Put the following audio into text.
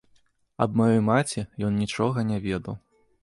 Аб маёй маці ён нічога не ведаў.